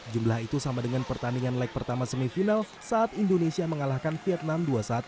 jumlah itu sama dengan pertandingan leg pertama semifinal saat indonesia mengalahkan vietnam dua satu